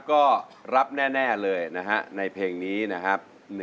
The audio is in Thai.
ก็รับแน่เลยนะฮะในเพลงนี้นะครับ